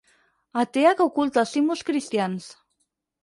Atea que oculta els símbols cristians.